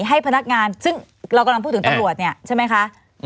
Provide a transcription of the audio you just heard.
ให้พนักงานซึ่งเรากำลังพูดถึงตำรวจเนี่ยใช่ไหมคะ